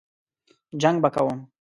جنګ به کوم.